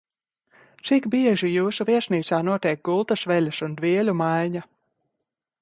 Cik bieži jūsu viesnīcā notiek gultas veļas un dvieļu maiņa?